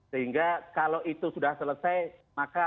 sehingga kalau itu sudah selesai maka